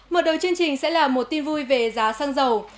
mở đầu chương trình sẽ là một tin vui về giá xăng dầu